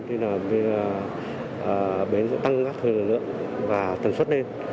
nên là bến sẽ tăng gắt thời lượng và tầm xuất lên